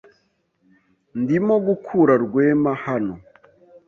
Ndimo gukura Rwema hano.